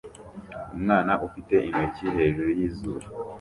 Umwana ufite intoki hejuru yizuru